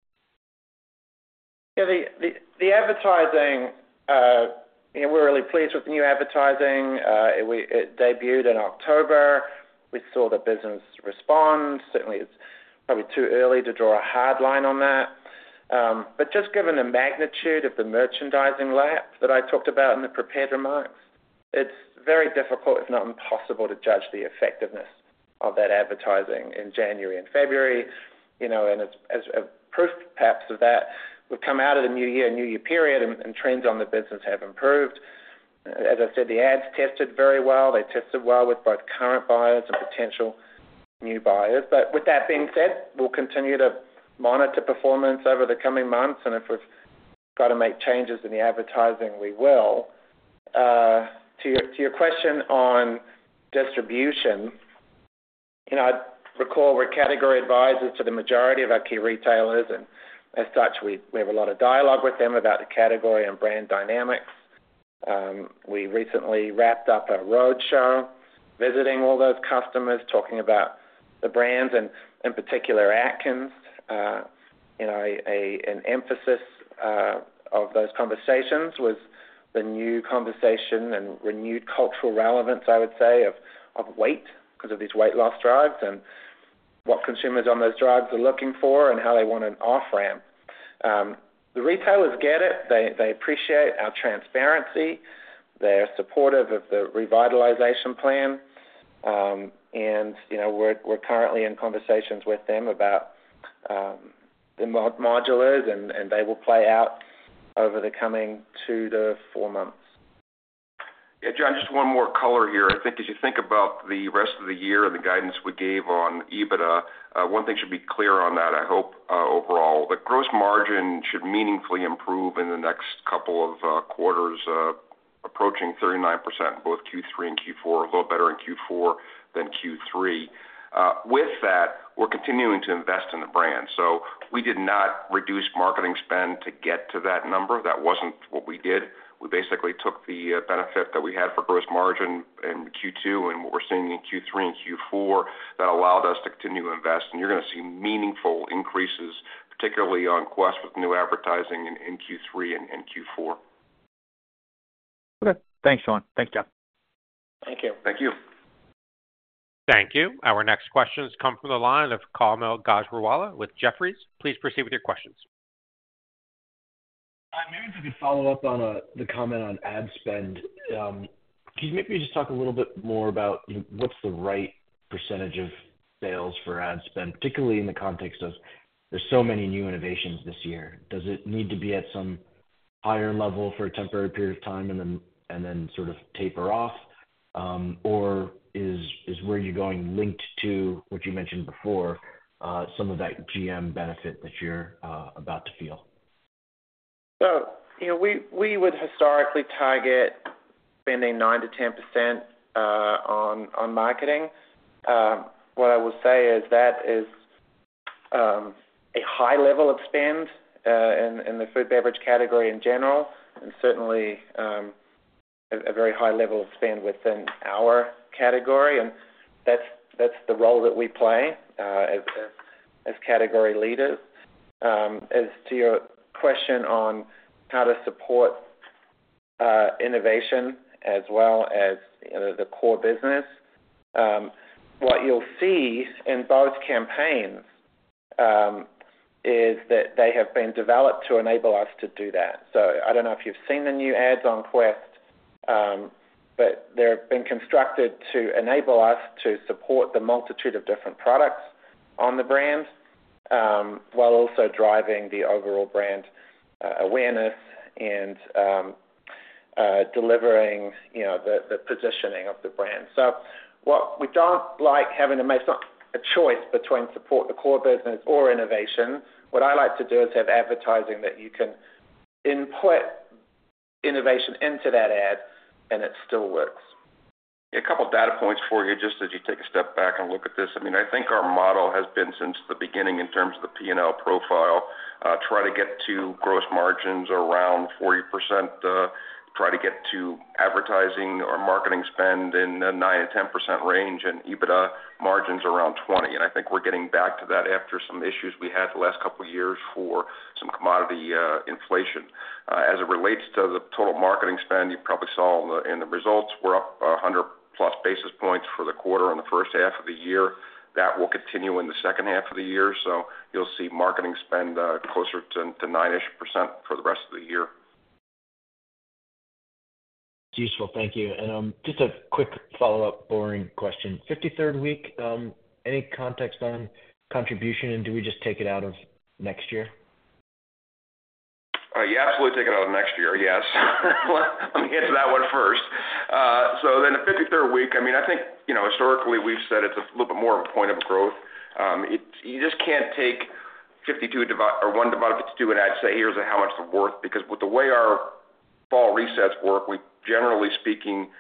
[SPEAKER 3] Yeah. The advertising, we're really pleased with the new advertising. It debuted in October. We saw the business respond. Certainly, it's probably too early to draw a hard line on that. But just given the magnitude of the merchandising lap that I talked about in the prepared remarks, it's very difficult, if not impossible, to judge the effectiveness of that advertising in January and February. And as proof, perhaps, of that, we've come out of the New Year, New You period, and trends on the business have improved. As I said, the ads tested very well. They tested well with both current buyers and potential new buyers. But with that being said, we'll continue to monitor performance over the coming months. And if we've got to make changes in the advertising, we will. To your question on distribution, I recall we're category advisors to the majority of our key retailers. As such, we have a lot of dialogue with them about the category and brand dynamics. We recently wrapped up a roadshow visiting all those customers, talking about the brands. And in particular, Atkins, an emphasis of those conversations was the new conversation and renewed cultural relevance, I would say, of weight because of these weight loss drugs and what consumers on those drugs are looking for and how they want an off-ramp. The retailers get it. They appreciate our transparency. They're supportive of the revitalization plan. And we're currently in conversations with them about the modulars, and they will play out over the coming two to four months.
[SPEAKER 4] Yeah. John, just one more color here. I think as you think about the rest of the year and the guidance we gave on EBITDA, one thing should be clear on that, I hope, overall. The gross margin should meaningfully improve in the next couple of quarters, approaching 39% in both Q3 and Q4, a little better in Q4 than Q3. With that, we're continuing to invest in the brand. So we did not reduce marketing spend to get to that number. That wasn't what we did. We basically took the benefit that we had for gross margin in Q2 and what we're seeing in Q3 and Q4 that allowed us to continue to invest. And you're going to see meaningful increases, particularly on Quest with new advertising in Q3 and Q4.
[SPEAKER 10] Okay. Thanks, Shaun. Thanks, Geoff.
[SPEAKER 3] Thank you.
[SPEAKER 4] Thank you.
[SPEAKER 1] Thank you. Our next question has come from the line of Kaumil Gajrawala with Jefferies. Please proceed with your questions.
[SPEAKER 11] Maybe just a follow-up on the comment on ad spend. Can you maybe just talk a little bit more about what's the right percentage of sales for ad spend, particularly in the context of there's so many new innovations this year? Does it need to be at some higher level for a temporary period of time and then sort of taper off? Or is where you're going linked to what you mentioned before, some of that GM benefit that you're about to feel?
[SPEAKER 3] So we would historically target spending 9%-10% on marketing. What I will say is that is a high level of spend in the food beverage category in general and certainly a very high level of spend within our category. And that's the role that we play as category leaders. As to your question on how to support innovation as well as the core business, what you'll see in both campaigns is that they have been developed to enable us to do that. So I don't know if you've seen the new ads on Quest, but they've been constructed to enable us to support the multitude of different products on the brand while also driving the overall brand awareness and delivering the positioning of the brand. So what we don't like having to make, it's not a choice between support the core business or innovation. What I like to do is have advertising that you can input innovation into that ad, and it still works.
[SPEAKER 4] Yeah. A couple of data points for you just as you take a step back and look at this. I mean, I think our model has been since the beginning in terms of the P&L profile, try to get to gross margins around 40%, try to get to advertising or marketing spend in the 9%-10% range, and EBITDA margins around 20%. I think we're getting back to that after some issues we had the last couple of years for some commodity inflation. As it relates to the total marketing spend, you probably saw in the results, we're up 100-plus basis points for the quarter in the first half of the year. That will continue in the second half of the year. So you'll see marketing spend closer to 9-ish percent for the rest of the year.
[SPEAKER 11] That's useful. Thank you. Just a quick follow-up boring question. 53rd week, any context on contribution, and do we just take it out of next year?
[SPEAKER 4] Yeah. Absolutely take it out of next year. Yes. Let me answer that one first. So then the 53rd week, I mean, I think historically, we've said it's a little bit more of a point of growth. You just can't take 52 or 1 divided by 52 and say, "Here's how much they're worth." Because with the way our fall resets work, we generally speaking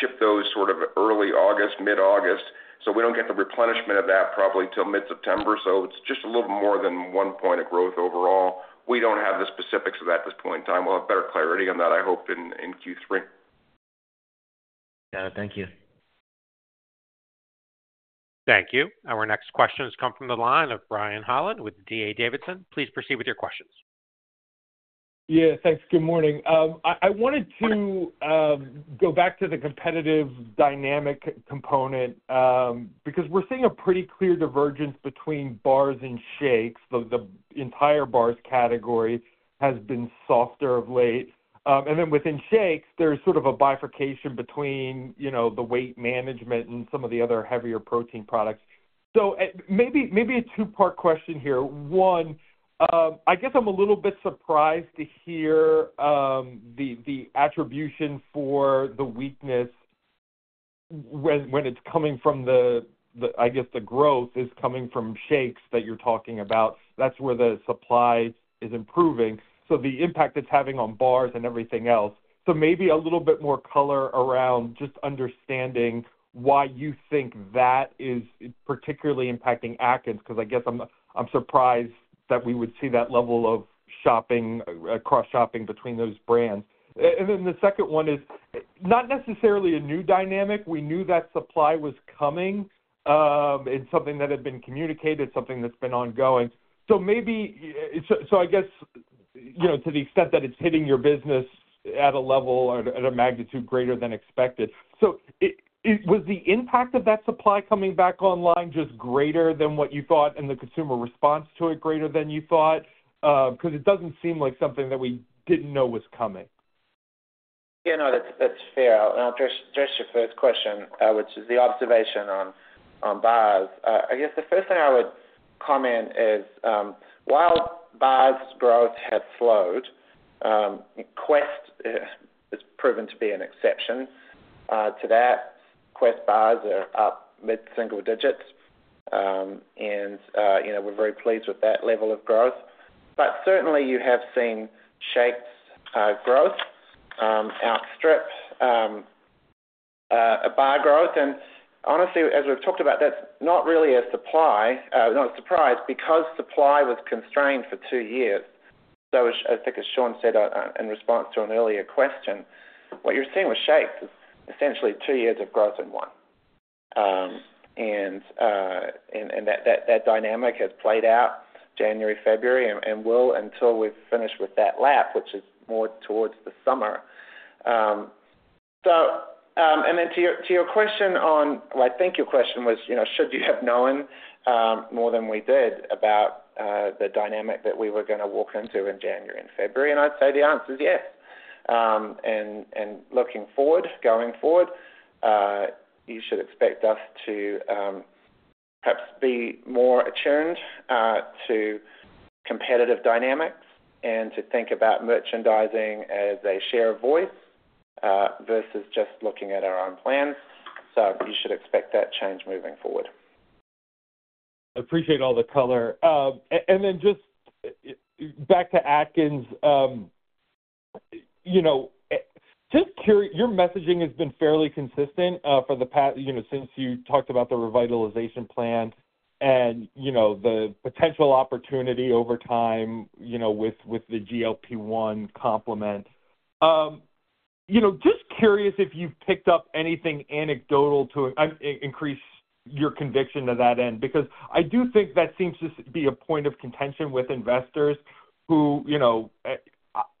[SPEAKER 4] ship those sort of early August, mid-August. So we don't get the replenishment of that probably till mid-September. So it's just a little more than one point of growth overall. We don't have the specifics of that at this point in time. We'll have better clarity on that, I hope, in Q3.
[SPEAKER 11] Got it. Thank you.
[SPEAKER 1] Thank you. Our next question has come from the line of Brian Holland with D.A. Davidson. Please proceed with your questions.
[SPEAKER 12] Yeah. Thanks. Good morning. I wanted to go back to the competitive dynamic component because we're seeing a pretty clear divergence between bars and shakes. The entire bars category has been softer of late. And then within shakes, there's sort of a bifurcation between the weight management and some of the other heavier protein products. So maybe a two-part question here. One, I guess I'm a little bit surprised to hear the attribution for the weakness when it's coming from the I guess the growth is coming from shakes that you're talking about. That's where the supply is improving. So the impact it's having on bars and everything else. So maybe a little bit more color around just understanding why you think that is particularly impacting Atkins because I guess I'm surprised that we would see that level of cross-shopping between those brands. And then the second one is not necessarily a new dynamic. We knew that supply was coming and something that had been communicated, something that's been ongoing. So I guess to the extent that it's hitting your business at a level or at a magnitude greater than expected, so was the impact of that supply coming back online just greater than what you thought and the consumer response to it greater than you thought? Because it doesn't seem like something that we didn't know was coming.
[SPEAKER 3] Yeah. No. That's fair. I'll address your first question, which is the observation on bars. I guess the first thing I would comment is while bars' growth had slowed, Quest has proven to be an exception to that. Quest bars are up mid-single digits, and we're very pleased with that level of growth. But certainly, you have seen shakes growth outstrip bar growth. And honestly, as we've talked about, that's not really a surprise because supply was constrained for two years. So I think as Shaun said in response to an earlier question, what you're seeing with shakes is essentially two years of growth in one. And that dynamic has played out January, February, and will until we've finished with that lap, which is more towards the summer. And then to your question. Well, I think your question was, should you have known more than we did about the dynamic that we were going to walk into in January and February? And I'd say the answer is yes. And looking forward, going forward, you should expect us to perhaps be more attuned to competitive dynamics and to think about merchandising as a share of voice versus just looking at our own plans. So you should expect that change moving forward.
[SPEAKER 12] I appreciate all the color. And then just back to Atkins, just curious, your messaging has been fairly consistent for the past since you talked about the revitalization plan and the potential opportunity over time with the GLP-1 complement. Just curious if you've picked up anything anecdotal to increase your conviction to that end because I do think that seems to be a point of contention with investors who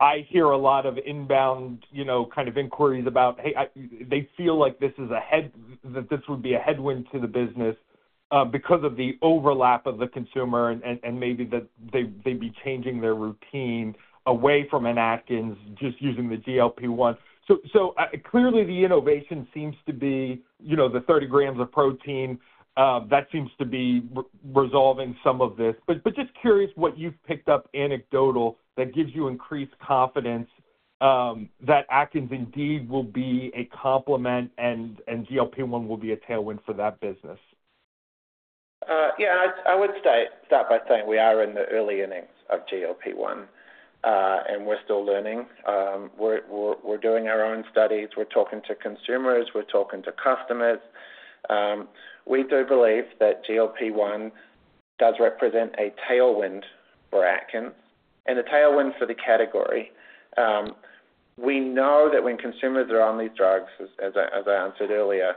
[SPEAKER 12] I hear a lot of inbound kind of inquiries about, "Hey, they feel like this is ahead that this would be a headwind to the business because of the overlap of the consumer, and maybe that they'd be changing their routine away from an Atkins just using the GLP-1." So clearly, the innovation seems to be the 30 g of protein. That seems to be resolving some of this. But just curious what you've picked up anecdotal that gives you increased confidence that Atkins indeed will be a complement and GLP-1 will be a tailwind for that business?
[SPEAKER 3] Yeah. I would start by saying we are in the early innings of GLP-1, and we're still learning. We're doing our own studies. We're talking to consumers. We're talking to customers. We do believe that GLP-1 does represent a tailwind for Atkins and a tailwind for the category. We know that when consumers are on these drugs, as I answered earlier,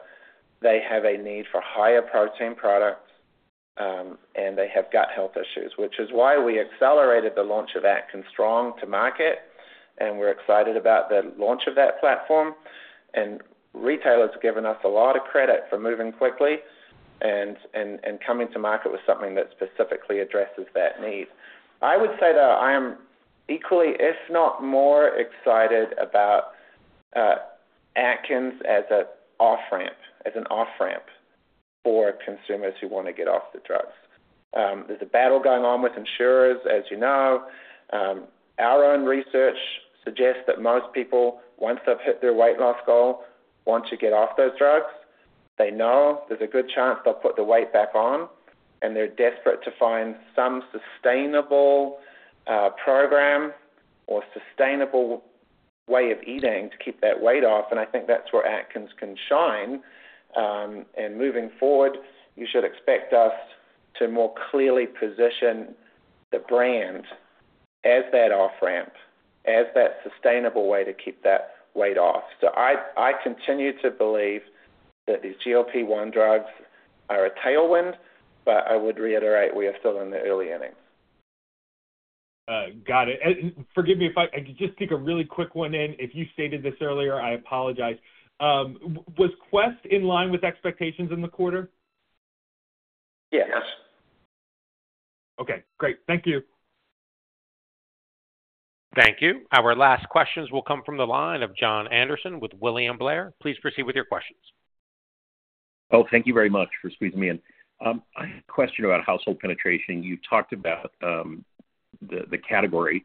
[SPEAKER 3] they have a need for higher protein products, and they have gut health issues, which is why we accelerated the launch of Atkins Strong to market. We're excited about the launch of that platform. Retailers have given us a lot of credit for moving quickly and coming to market with something that specifically addresses that need. I would say, though, I am equally, if not more, excited about Atkins as an off-ramp for consumers who want to get off the drugs. There's a battle going on with insurers, as you know. Our own research suggests that most people, once they've hit their weight loss goal, want to get off those drugs. They know there's a good chance they'll put the weight back on, and they're desperate to find some sustainable program or sustainable way of eating to keep that weight off. I think that's where Atkins can shine. Moving forward, you should expect us to more clearly position the brand as that off-ramp, as that sustainable way to keep that weight off. I continue to believe that these GLP-1 drugs are a tailwind, but I would reiterate we are still in the early innings.
[SPEAKER 12] Got it. Forgive me if I can just take a really quick one in. If you stated this earlier, I apologize. Was Quest in line with expectations in the quarter?
[SPEAKER 3] Yes.
[SPEAKER 12] Okay. Great. Thank you.
[SPEAKER 1] Thank you. Our last questions will come from the line of Jon Andersen with William Blair. Please proceed with your questions.
[SPEAKER 13] Oh, thank you very much for squeezing me in. I had a question about household penetration. You talked about the category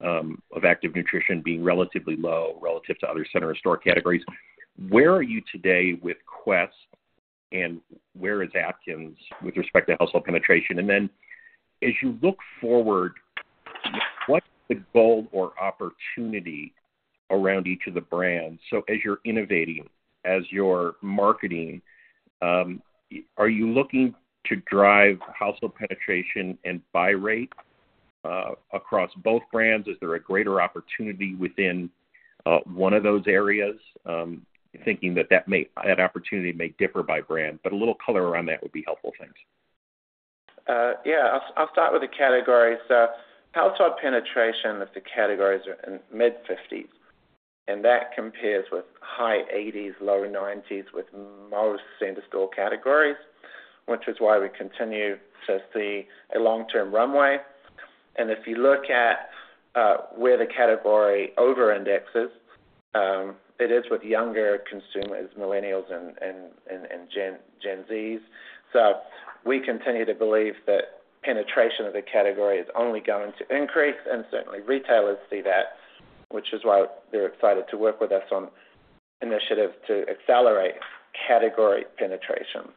[SPEAKER 13] of active nutrition being relatively low relative to other center-of-store categories. Where are you today with Quest, and where is Atkins with respect to household penetration? And then as you look forward, what's the goal or opportunity around each of the brands? So as you're innovating, as you're marketing, are you looking to drive household penetration and buy rate across both brands? Is there a greater opportunity within one of those areas, thinking that that opportunity may differ by brand? But a little color around that would be helpful, thanks.
[SPEAKER 3] Yeah. I'll start with the categories. So household penetration, if the categories are in mid-50s, and that compares with high 80s, low 90s with most center-store categories, which is why we continue to see a long-term runway. And if you look at where the category over-indexes, it is with younger consumers, millennials, and Gen Zs. So we continue to believe that penetration of the category is only going to increase. And certainly, retailers see that, which is why they're excited to work with us on initiatives to accelerate category penetration.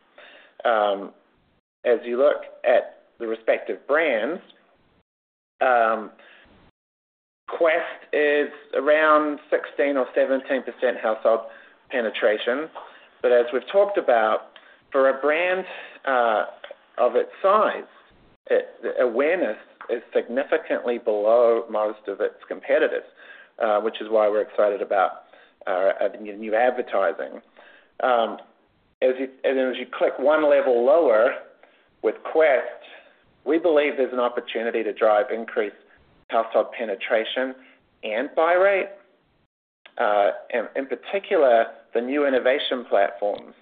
[SPEAKER 3] As you look at the respective brands, Quest is around 16% or 17% household penetration. But as we've talked about, for a brand of its size, awareness is significantly below most of its competitors, which is why we're excited about the new advertising. And then as you click one level lower with Quest, we believe there's an opportunity to drive increased household penetration and buy rate. And in particular, the new innovation platforms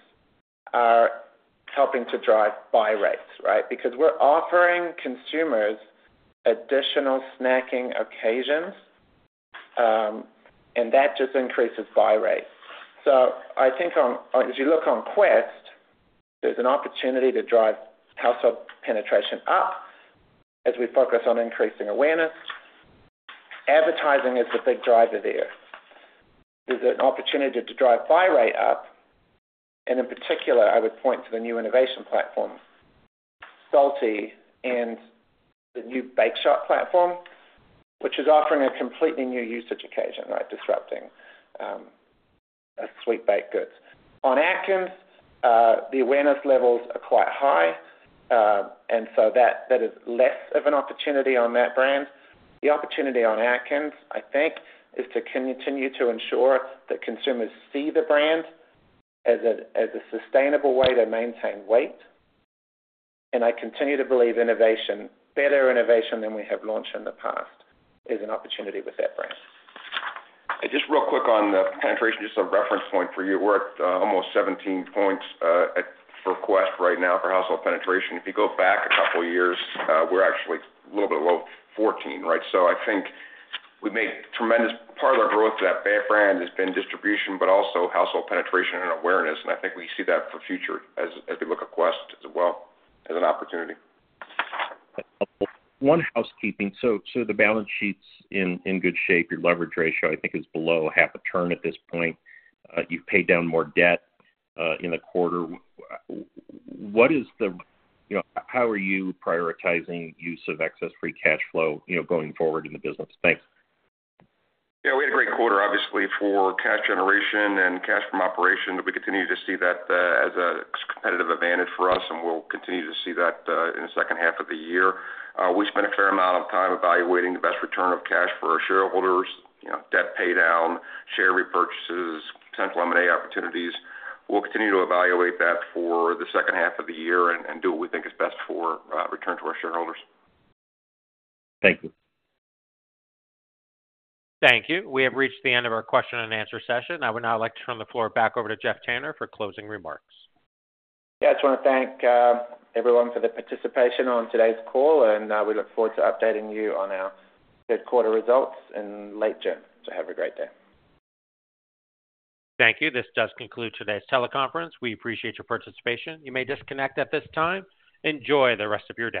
[SPEAKER 3] are helping to drive buy rates, right? Because we're offering consumers additional snacking occasions, and that just increases buy rates. So I think as you look on Quest, there's an opportunity to drive household penetration up as we focus on increasing awareness. Advertising is the big driver there. There's an opportunity to drive buy rate up. And in particular, I would point to the new innovation platforms, Salty and the new Bake Shop platform, which is offering a completely new usage occasion, right, disrupting sweet baked goods. On Atkins, the awareness levels are quite high, and so that is less of an opportunity on that brand. The opportunity on Atkins, I think, is to continue to ensure that consumers see the brand as a sustainable way to maintain weight. I continue to believe better innovation than we have launched in the past is an opportunity with that brand.
[SPEAKER 4] Just real quick on the penetration, just a reference point for you. We're at almost 17 points for Quest right now for household penetration. If you go back a couple of years, we're actually a little bit below 14, right? So I think we've made tremendous part of our growth with that brand has been distribution but also household penetration and awareness. I think we see that for future as we look at Quest as well as an opportunity.
[SPEAKER 13] One housekeeping. So the balance sheet's in good shape. Your leverage ratio, I think, is below half a turn at this point. You've paid down more debt in the quarter. What is the, how are you prioritizing use of excess free cash flow going forward in the business? Thanks.
[SPEAKER 4] Yeah. We had a great quarter, obviously, for cash generation and cash from operation. We continue to see that as a competitive advantage for us, and we'll continue to see that in the second half of the year. We spent a fair amount of time evaluating the best return of cash for our shareholders, debt paydown, share repurchases, potential M&A opportunities. We'll continue to evaluate that for the second half of the year and do what we think is best for return to our shareholders.
[SPEAKER 13] Thank you.
[SPEAKER 1] Thank you. We have reached the end of our question-and-answer session. I would now like to turn the floor back over to Geoff Tanner for closing remarks.
[SPEAKER 3] Yeah. I just want to thank everyone for the participation on today's call, and we look forward to updating you on our third-quarter results in late June. So have a great day.
[SPEAKER 1] Thank you. This does conclude today's teleconference. We appreciate your participation. You may disconnect at this time. Enjoy the rest of your day.